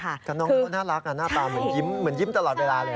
คลันน้องน่ารักนะหน้าตาเห็นยิ้มเหมือนยิ้มตลอดเวลาเลย